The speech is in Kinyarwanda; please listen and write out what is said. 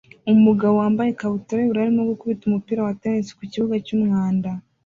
Umugabo wambaye ikabutura yubururu arimo gukubita umupira wa tennis ku kibuga cyumwanda